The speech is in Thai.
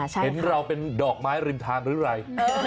เห็นเราเป็นดอกไม้ริมทางหรือไร